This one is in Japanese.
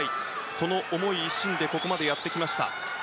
その思い一心でここまでやってきました。